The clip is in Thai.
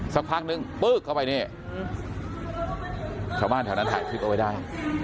สักพักนึงปึ๊กเข้าไปนี่ชาวบ้านแถวนั้นถ่ายคลิปเอาไว้ได้